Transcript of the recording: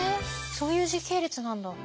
そういう時系列なんだ。